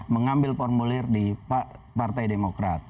mengambil formulir di partai demokrat